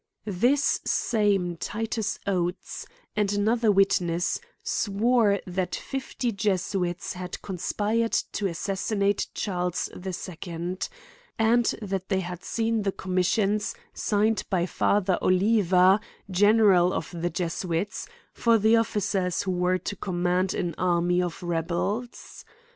This same Titus Oates, and another witness, swore, that fifty Jesuits had conspired to assassi nate Charles the second ; and, that they had seen the commissions, signed by father Oliva, gene : ral of the Jesuits, for the officers who were to command an army of rebels.